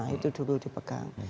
itu dulu dipegang